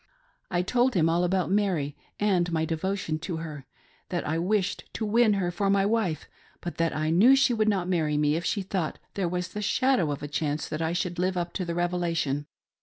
I told him all about Mary, and my devo tion to her ; that I wished to win her for my wife, but that I knew she would not marry me if she thought there was the shadow of a chance that I should live up to the Revelation.